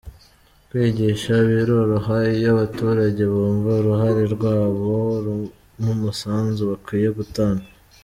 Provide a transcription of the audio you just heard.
kwigisha biroroha iyo abaturage bumva uruhare rwabo n’umusanzu bakwiye gutanga.